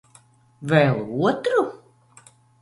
Vēl otru?